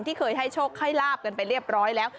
ที่เคยให้โชคให้ลาบกันไปเรียบร้อยแล้ว